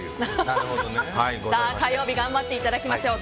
火曜日頑張っていただきましょう。